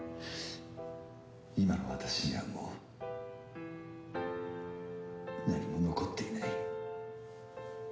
今の私にはもう何も残っていない。